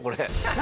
何？